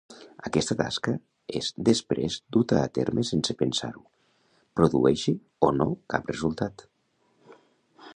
Aquesta tasca és després duta a terme sense pensar-ho, produeixi o no cap resultat.